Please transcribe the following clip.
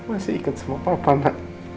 masih ikut sama papa ma